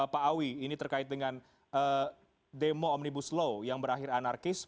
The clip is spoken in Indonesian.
pak awi ini terkait dengan demo omnibus law yang berakhir anarkis